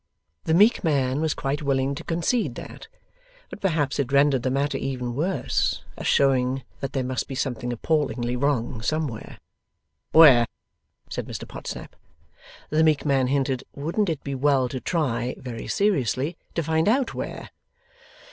The meek man was quite willing to concede that, but perhaps it rendered the matter even worse, as showing that there must be something appallingly wrong somewhere. 'Where?' said Mr Podsnap. The meek man hinted Wouldn't it be well to try, very seriously, to find out where?